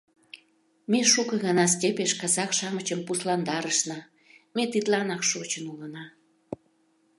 Ме шуко гана степеш казак-шамычым пусландарышна: ме тидланак шочын улына...